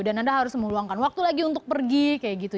dan anda harus meluangkan waktu lagi untuk pergi kayak gitu